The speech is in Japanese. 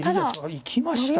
いきました。